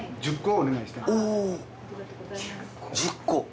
１０個。